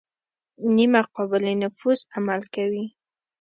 نیمه قابل نفوذ عمل کوي.